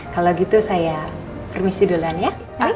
kalau gitu saya permisi duluan ya